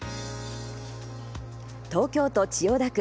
東京都千代田区。